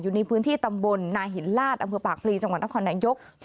อยู่ในพื้นที่ตำบลนาหินลาดอำเภอปากพลีจังหวัดนครนายก